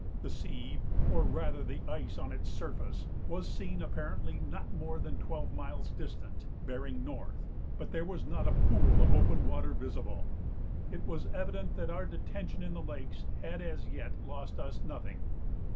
The sea, or rather the ice on its surface, was seen apparently not more than twelve miles distant, bearing north; but there was not a pool of open water visible. It was evident that our detention in the lakes had as yet lost us nothing.